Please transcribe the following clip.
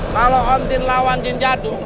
kalau om jin lawan jin jadul